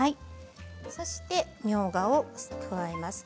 そして、みょうがを加えます。